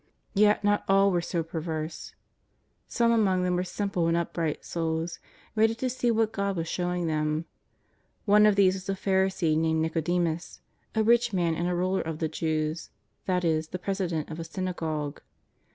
Yet not all were so preverse. Some among them were simple and upright souls, ready to see what God was showing them. One of these was a Pharisee named Nicodemus, a rich man and a ruler of the Jews, that is the president of a s;)Tiagogue.